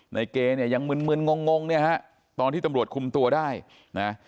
ในเกย์เนี่ยยังมืนงงเนี่ยฮะตอนที่ตำรวจคุมตัวได้นะฮะ